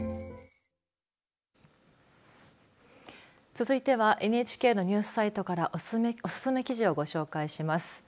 続いてはＮＨＫのニュースサイトからおすすめ記事をご紹介します。